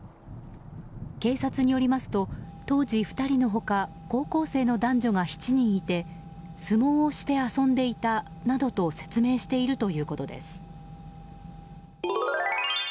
警察によりますと、当時２人の他高校生の男女が７人いて相撲をして遊んでいたなどと説明しているということです。